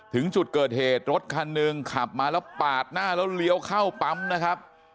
ถึงจุดเกิดเหตุรถคันหนึ่งขับมาแล้วปาดหน้าแล้วเลี้ยวเข้าปั๊มนะครับ